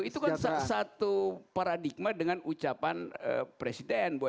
itu kan satu paradigma dengan ucapan presiden